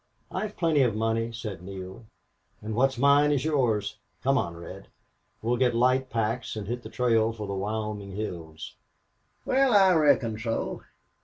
"I've plenty of money," said Neale, "and what's mine is yours. Come on, Red. We'll get light packs and hit the trail for the Wyoming hills." "Wal, I reckoned so...